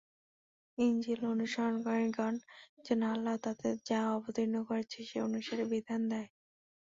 ইনজীল অনুসারীগণ যেন আল্লাহ তাতে যা অবতীর্ণ করেছেন, সে অনুসারে বিধান দেয়।